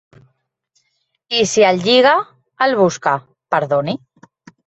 I si el lliga, el busca. —Perdoni.